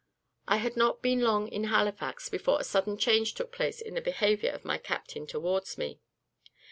I had not been long at Halifax, before a sudden change took place in the behaviour of my captain towards me.